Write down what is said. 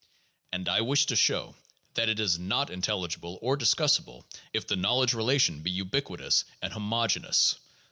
And I wish to show that it is not intelligible or discussable if the knowledge relation be ubiquitous and homogeneous.